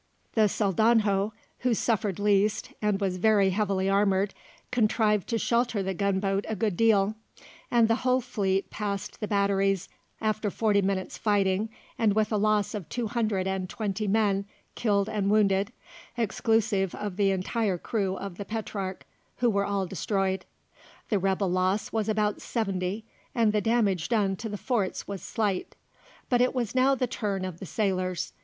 The Saldanho, who suffered least and was very heavily armoured, contrived to shelter the gunboat a good deal, and the whole fleet passed the batteries after forty minutes' fighting and with a loss of two hundred and twenty men killed and wounded, exclusive of the entire crew of the Petrarch, who were all destroyed. The rebel loss was about seventy, and the damage done to the forts was slight. But it was now the turn of the sailors.